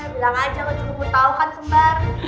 bilang aja kok cuman mau tau kan sembar